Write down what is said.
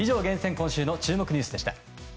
今週の注目ニュースでした。